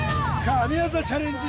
神業チャレンジ